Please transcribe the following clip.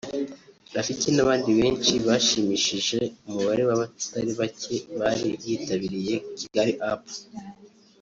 Rafiki n'abandi benshi bashimishije umubare w’abatari bake bari bitabiriye Kigali Up